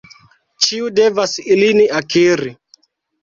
Ĉiu devas ilin akiri.